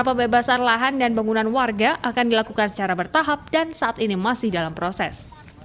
pembebasan lahan dan bangunan warga akan dilakukan secara bertahap dan saat ini masih dalam proses